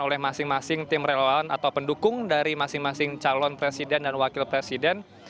oleh masing masing tim relawan atau pendukung dari masing masing calon presiden dan wakil presiden